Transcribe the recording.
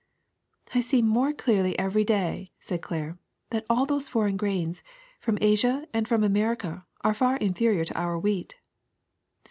*'*^ I see more clearly every day, '' said Claire, ^' that all those foreign grains, from Asia and from Amer ica, are far inferior to our wheat.